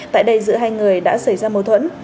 tại đây giữa hai người đã xảy ra mâu thuẫn